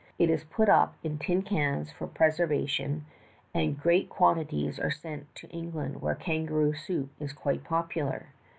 It is put up in tin cans for preservation, and great quantities are sent to England, where kangaroo soup is quite popular.